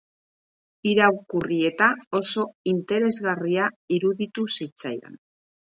Irakurri eta oso interesgarria iruditu zitzaidan.